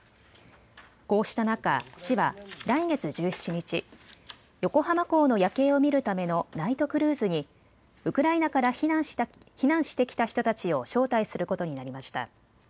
こうした中、市は来月１７日、横浜港の夜景を見るためのナイトクルーズにウクライナから避難してきた人たちを招待することになりました。